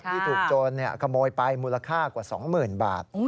ที่ถูกโจรขโมยไปมูลค่ากว่า๒๐๐๐บาท